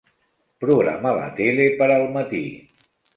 Programa la tele per al matí.